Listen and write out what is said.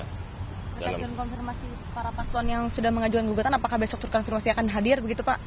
terkait dengan konfirmasi para paslon yang sudah mengajukan gugatan apakah besok terkonfirmasi akan hadir begitu pak